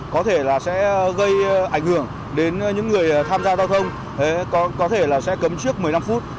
có thể là sẽ gây ảnh hưởng đến những người tham gia giao thông có thể là sẽ cấm trước một mươi năm phút